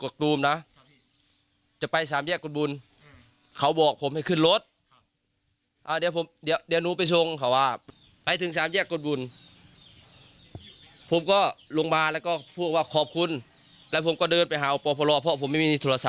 กรกตูมนะจะไปสามแยกกฎบุญเขาบอกผมให้ขึ้นรถอ่าเดี๋ยว